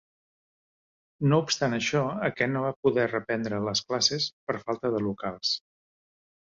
No obstant això aquest no va poder reprendre les classes per falta de locals.